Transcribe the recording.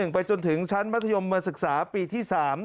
ไปจนถึงชั้นมัธยมมาศึกษาปีที่๓